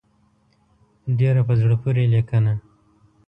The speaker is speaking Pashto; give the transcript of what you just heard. ډېره په زړه پورې لیکنه.